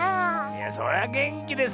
いやそりゃげんきですよ。